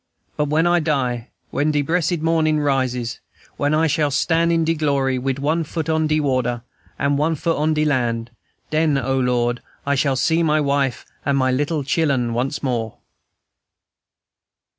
But when I die, when de bressed mornin' rises, when I shall stan' in de glory, wid one foot on de water an' one foot on de land, den, O Lord, I shall see my wife an' my little chil'en once more."